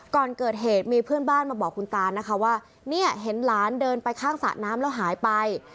ก่อนเกิดเหตุมีเพื่อนบ้านมาบอกคุณตานะคะว่าเนี่ยเห็นหลานเดินไปข้างสระน้ำแล้วหายไป